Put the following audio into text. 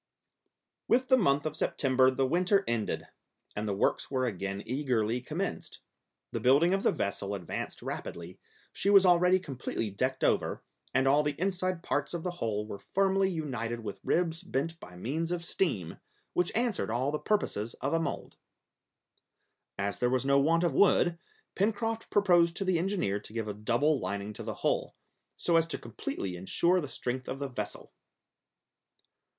With the month of September the winter ended, and the works were again eagerly commenced. The building of the vessel advanced rapidly, she was already completely decked over, and all the inside parts of the hull were firmly united with ribs bent by means of steam, which answered all the purposes of a mould. As there was no want of wood, Pencroft proposed to the engineer to give a double lining to the hull, so as to completely insure the strength of the vessel.